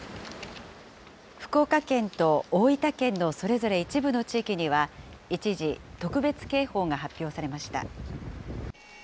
福岡県と大分県のそれぞれ一部の地域には、一時、特別警報が発表されました。